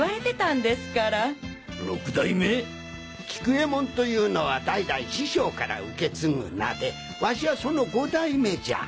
「菊右衛門」というのは代々師匠から受け継ぐ名でワシはその五代目じゃ！